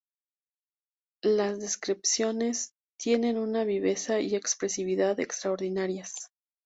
Las descripciones tienen una viveza y expresividad extraordinarias.